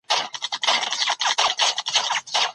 ساینس پوهنځۍ په ناڅاپي ډول نه انتقالیږي.